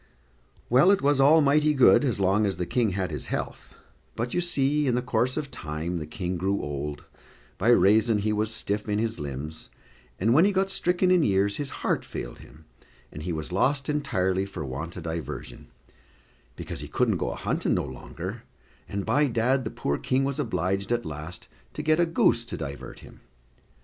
Well, it was all mighty good, as long as the King had his health; but, you see, in the course of time the King grew old, by raison he was stiff in his limbs, and when he got stricken in years, his heart failed him, and he was lost entirely for want o' diversion, because he couldn't go a hunting no longer; and, by dad the poor King was obliged at last to get a goose to divert him.